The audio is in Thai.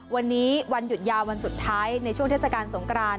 วันนี้วันหยุดยาววันสุดท้ายในช่วงเทศกาลสงคราน